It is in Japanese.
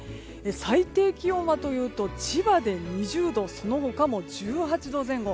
最低気温はというと千葉で２０度その他も１８度前後。